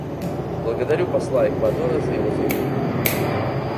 Благодарю посла Эквадора за его заявление.